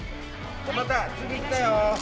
また次行ったよ。